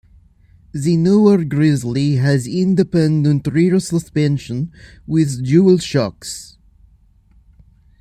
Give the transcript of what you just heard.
The newer Grizzly has independent rear suspension with dual shocks.